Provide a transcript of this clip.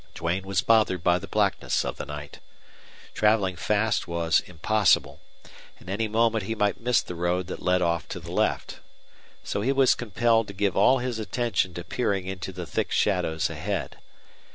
Duane was bothered by the blackness of the night. Traveling fast was impossible, and any moment he might miss the road that led off to the left. So he was compelled to give all his attention to peering into the thick shadows ahead.